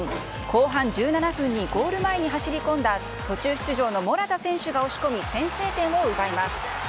後半１７分にゴール前に走り込んだ途中出場のモラタ選手が押し込み、先制点を奪います。